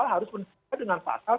harus mencari dengan pasal